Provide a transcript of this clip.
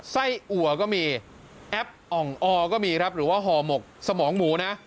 ไส้อัวก็มีแอปอ่องอก็มีครับหรือว่าห่อหมกสมองหมูนะ